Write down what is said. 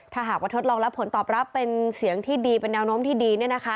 ถ้าหากว่าทดลองรับผลตอบรับเป็นเสียงที่ดีเป็นแนวโน้มที่ดี